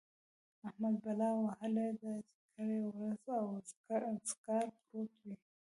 احمد بلا وهلی دی؛ کرۍ ورځ اوزګار پروت وي.